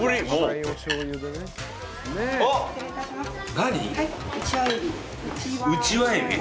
何？